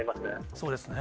そうですね。